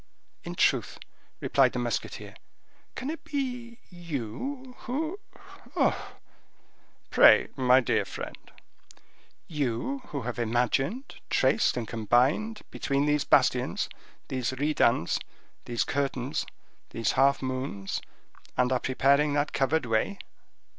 "In truth," replied the musketeer, "can it be you—who—oh!" "Pray—my dear friend—" "You who have imagined, traced, and combined between these bastions, these redans, these curtains, these half moons; and are preparing that covered way?"